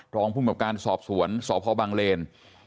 รองภูมิกับการสอบสวนสพบังเลน